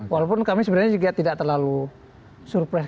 walaupun kami sebenarnya juga tidak terlalu surprise